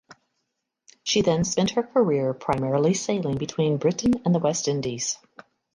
She then spent her career primarily sailing between Britain and the West Indies.